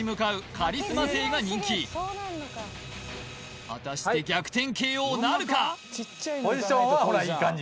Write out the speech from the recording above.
カリスマ性が人気果たして逆転ＫＯなるか？